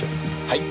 はい。